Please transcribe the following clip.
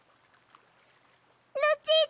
ルチータ！